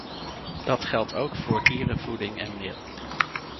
Dat geldt ook voor dierenvoeding en meel.